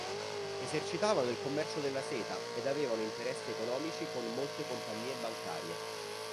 Esercitavano il commercio della seta ed avevano interessi economici con molte compagnie bancarie.